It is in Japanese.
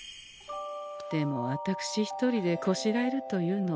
でもあたくし一人でこしらえるというのはさすがに。